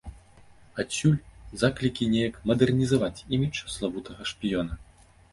Адсюль заклікі неяк мадэрнізаваць імідж славутага шпіёна.